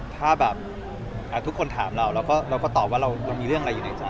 ถ้าแบบทุกคนถามเราเราก็ตอบว่าเรามีเรื่องอะไรอยู่ในใจ